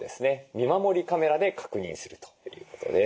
見守りカメラで確認するということです。